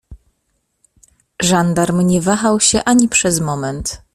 Żandarm nie wahał się ani przez moment.